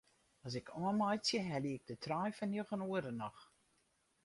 As ik oanmeitsje helje ik de trein fan njoggen oere noch.